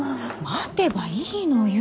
待てばいいのよ。